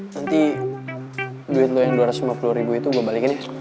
nanti duit lo yang dua ratus lima puluh ribu itu gue balikin ya